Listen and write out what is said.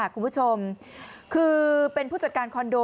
คุณผู้ชมคือเป็นผู้จัดการคอนโด